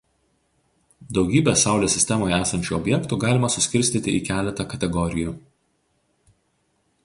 Daugybę Saulės sistemoje esančių objektų galima suskirstyti į keletą kategorijų.